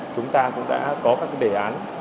chúng ta cũng đã phát triển lĩnh vực đổi mới sáng tạo